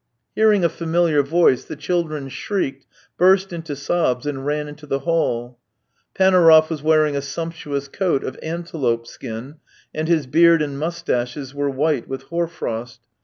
Hearing a familiar voice, the children shrieked, burst into sobs, and ran into the hall. Panaurov was wearing a sumptuous coat of antelope skin, and his beard and moustaches were white with hoar frost.